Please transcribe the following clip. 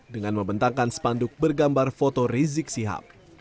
dengan membentangkan spanduk bergambar foto rizik sihab